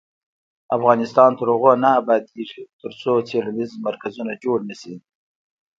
افغانستان تر هغو نه ابادیږي، ترڅو څیړنیز مرکزونه جوړ نشي.